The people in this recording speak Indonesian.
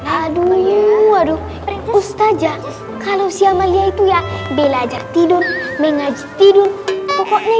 aduyuu aduh ustadzha kalau si amalia itu ya belajar tidur mengajit tidur pokoknya